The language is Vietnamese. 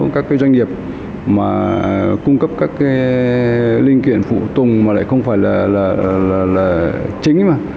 các doanh nghiệp mà cung cấp các linh kiện phụ tùng mà lại không phải là chính mà